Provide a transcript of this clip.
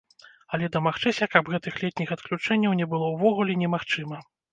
Але дамагчыся, каб гэтых летніх адключэнняў не было ўвогуле, немагчыма.